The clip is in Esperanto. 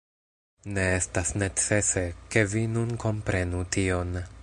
Ne estas necese, ke vi nun komprenu tion.